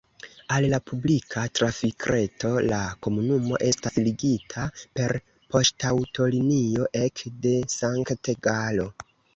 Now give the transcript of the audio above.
Al la publika trafikreto la komunumo estas ligita per poŝtaŭtolinio ek de Sankt-Galo.